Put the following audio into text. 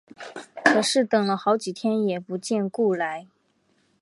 可是等了好几天也不见辜来。